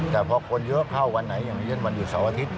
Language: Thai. แต่พอคนเยอะเข้าวันไหนอย่างเช่นวันหยุดเสาร์อาทิตย